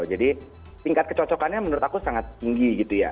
jadi tingkat kecocokannya menurut aku sangat tinggi gitu ya